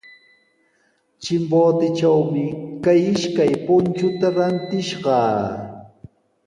Chimbotetrawmi kay ishkay punchuta rantishqaa.